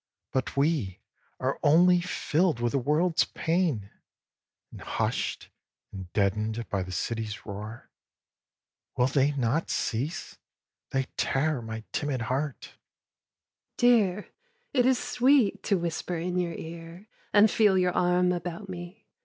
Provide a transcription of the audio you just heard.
But we are only filled with the world's pain, And hushed and deadened by the city's roar. Will they not coase ? they tear my timid heart. SHE : Dear, it is sweet to whisper in your ear, And feel your arm about me.